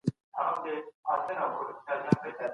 تاسي په خپلي ژبي باندي مینه ولرئ